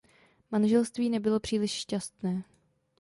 Manželství nebylo příliš šťastné.